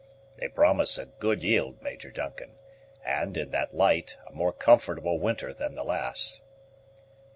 "They promise a good yield, Major Duncan; and, in that light, a more comfortable winter than the last."